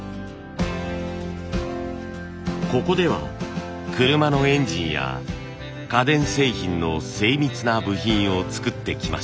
ここでは車のエンジンや家電製品の精密な部品を作ってきました。